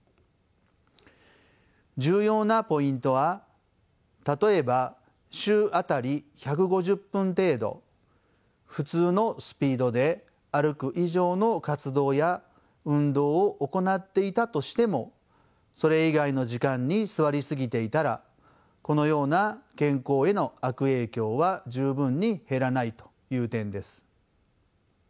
重要なポイントは例えば週当たり１５０分程度普通のスピードで歩く以上の活動や運動を行っていたとしてもそれ以外の時間に座りすぎていたらこのような健康への悪影響は十分に減らないという点です。